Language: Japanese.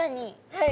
はい。